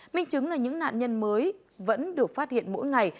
minh chứng là những nạn nhân mới vẫn được phát hiện mỗi ngày